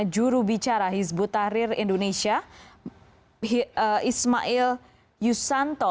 jurubicara hizbut tahrir indonesia ismail yusanto